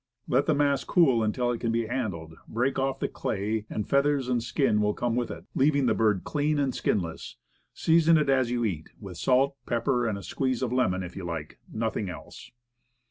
Let the mass cool until it can be handled, break off the clay, and feathers and skin will come with it, leaving the bird clean and skinless. Season it as you eat, with salt, pepper, and a squeeze of lemon if you like, nothing else.